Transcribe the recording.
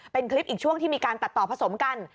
เป็นคลิปอีกช่วงที่มีการตัดต่อผสมกัน